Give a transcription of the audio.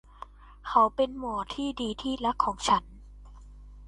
เขาเป็นหมอที่ดีที่รักของฉัน ?